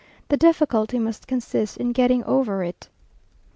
The difficulty must consist in getting over it.